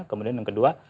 kemudian yang kedua